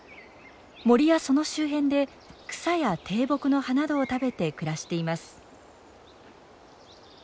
森やその周辺で草や低木の葉などを食べて暮らしています。